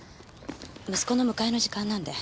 息子の迎えの時間なんで。